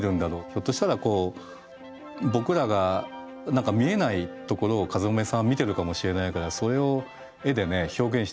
ひょっとしたらこう僕らが見えないところをかずまめさんは見てるかもしれないからそれを絵で表現してほしいね。